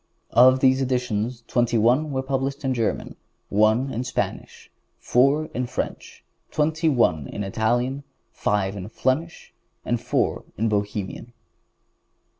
Of those editions, twenty one were published in German, one in Spanish, four in French, twenty one in Italian, five in Flemish and four in Bohemian.